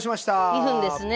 ２分ですね。